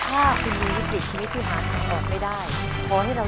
ขอบคุณครับขอบคุณครับขอบคุณครับ